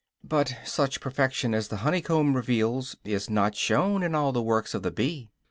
But such perfection as the honey comb reveals is not shown in all the works of the bee.